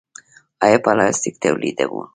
آیا پلاستیک تولیدوو؟